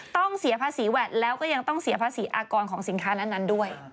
ต้องเสียภาษีแวดแล้วก็ยังต้องเสียภาษีอากรของสินค้านั้นด้วย